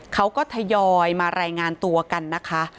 ทยอยมารายงานตัวกันนะคะ